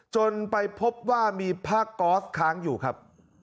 จนไปพบว่ามีผ้าก๊อสค้างอยู่ครับ